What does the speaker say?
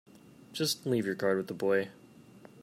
Just leave your card with the boy.